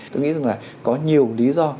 tôi nghĩ rằng là có nhiều lý do